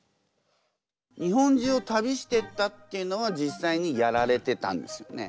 日本中を旅してたっていうのは実際にやられてたんですよね？